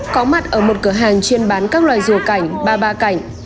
có mặt ở một cửa hàng chuyên bán các loài rùa cảnh ba ba cảnh